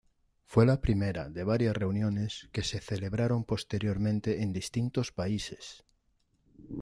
Fue la primera de varias reuniones que se celebraron posteriormente en distintos países.